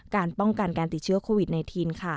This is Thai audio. การป้องกันการติดเชื้อโควิด๑๙ค่ะ